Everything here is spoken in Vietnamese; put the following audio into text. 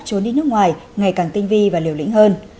trốn đi nước ngoài ngày càng tinh vi và liều lĩnh hơn